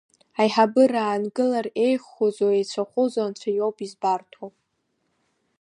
Аиҳабыра аангылар еиӷьхозу еицәахозу анцәа иоуп избарҭоу.